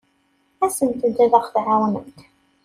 Asemt-d ad aɣ-tɛawnemt.